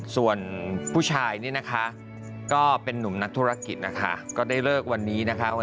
ส่วนผู้ชายนี่นะคะก็เป็นนุ่มนักธุรกิจนะคะก็ได้เลิกวันนี้นะคะ